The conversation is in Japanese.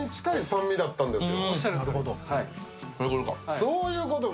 そういうことか。